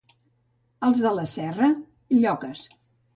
Els de la Serra, lloques.